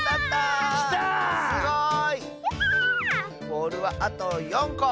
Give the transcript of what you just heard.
ボールはあと４こ！